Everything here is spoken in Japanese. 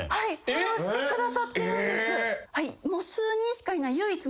フォローしてくださってるんです。